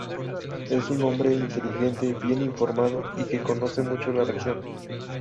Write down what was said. Es un hombre inteligente, bien informado y que conoce mucho la región".